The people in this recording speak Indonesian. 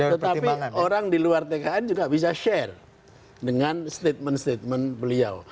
tetapi orang di luar tkn juga bisa share dengan statement statement beliau